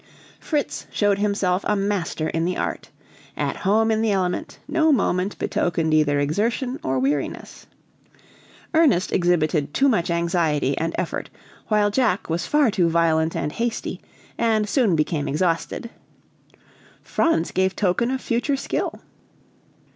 Fritz showed himself a master in the art. At home in the element, no moment betokened either exertion or weariness. Ernest exhibited too much anxiety and effort, while Jack was far too violent and hasty, and soon became exhausted. Franz gave token of future skill.